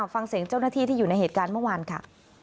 ฟังเสียงเจ้าหน้าที่ที่อยู่ในเหตุการณ์เมื่อวานค่ะ